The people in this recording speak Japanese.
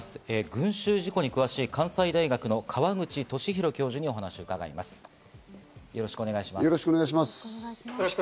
群衆事故に詳しい関西大学の川口寿裕教授におよろしくお願いします。